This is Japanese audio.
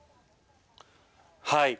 はい。